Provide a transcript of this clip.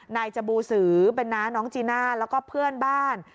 นายจบูสือเป็นน้าน้องจีน่าแล้วก็เพื่อนบ้าน